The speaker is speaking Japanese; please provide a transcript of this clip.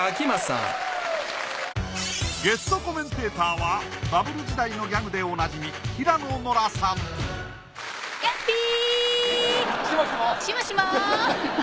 ゲストコメンテーターはバブル時代のギャグでおなじみ平野ノラさん